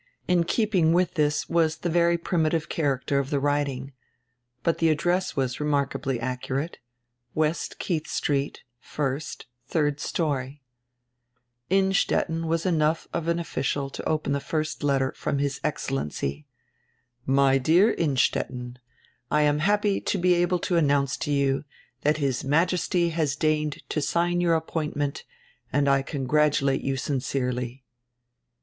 In keeping with this was the very primitive character of the writing. But die address was remarkably accurate: "W., Keidi St. lc, diird story." Innstetten was enough of an official to open first die letter from "His Excellency." "My dear Innstetten: I am happy to be able to announce to you that His Majesty has deigned to sign your appointment and I congratulate you sincerely."